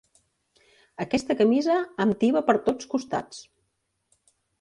Aquesta camisa em tiba per tots costats.